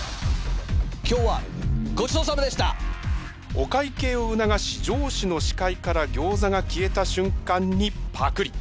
お会計を促し上司の視界からギョーザが消えた瞬間にパクリ！